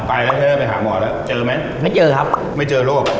ไปแล้วเถอะไปหาหมอแล้วเจอไหมไม่เจอครับไม่เจอโรค